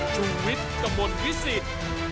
ชุวิตกระบวนวิสิต